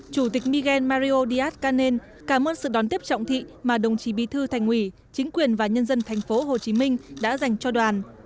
chủ tịch mikel díaz canel cảm ơn sự đón tiếp trọng thị mà đồng chí bí thư thành ủy chính quyền và nhân dân thành phố hồ chí minh đã dành cho đoàn